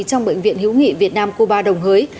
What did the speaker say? trong bệnh viện hữu nghị việt nam cuba đồng hới